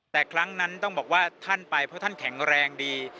แต่ครั้งนั้นต้องบอกว่าท่านไปเพราะท่านแข็งแรงดี